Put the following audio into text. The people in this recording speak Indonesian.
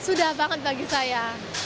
sudah banget bagi saya